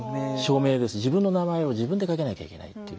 自分の名前を自分で書けなきゃいけないっていう。